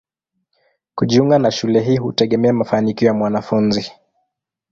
Kujiunga na shule hii hutegemea mafanikio ya mwanafunzi.